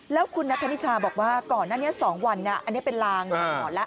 แล้วคุณนัทธานิชาบอกว่าก่อนนั้น๒วันอันนี้เป็นรางสังหรณ์แล้ว